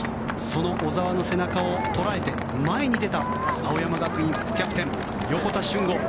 その小澤の背中を捉えて前に出た青山学院、副キャプテン横田俊吾。